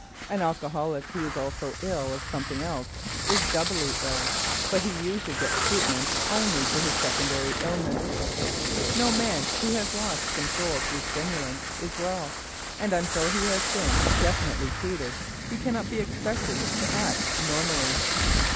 An alcoholic who is also ill of something else is doubly ill, but he usually gets treatment only for his secondary illness. No man who has lost control through stimulants is well, and until he has been definitely treated, he cannot be expected to act normally.